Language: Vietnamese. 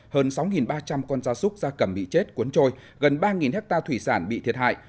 hơn sáu ba trăm linh con gia súc gia cầm bị chết cuốn trôi gần ba hectare thủy sản bị thiệt hại